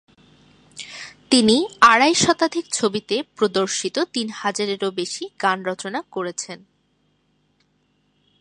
তিনি আড়াই শতাধিক ছবিতে প্রদর্শিত তিন হাজারেরও বেশি গান রচনা করেছেন।